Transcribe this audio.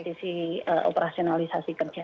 untuk operasionalisasi kerja